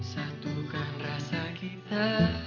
satukan rasa kita